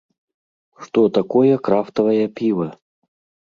Што такое крафтавае піва?